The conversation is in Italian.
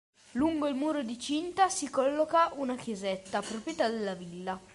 Lungo il muro di cinta si colloca una chiesetta, proprietà della villa.